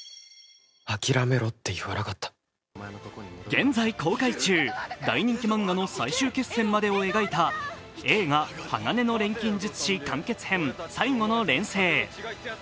現在公開中、大人気漫画の最終決戦までを描いた映画「鋼の錬金術師完結編最後の錬成」。